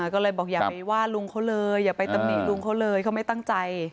ก็เลยบอกอย่าไปว่าลุงเขาเลยอย่าไปตำหนิลุงเขาเลยเขาไม่ตั้งใจ